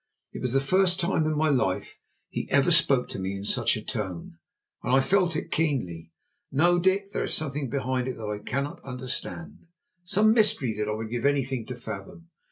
It was the first time in my life he ever spoke to me in such a tone, and I felt it keenly. No, Dick, there is something behind it all that I cannot understand. Some mystery that I would give anything to fathom.